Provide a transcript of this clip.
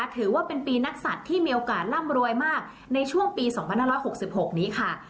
ถือว่าเป็นปีนักศัตริย์ที่มีโอกาสร่ำรวยมากในช่วงปี๒๕๖๖นี้ค่ะ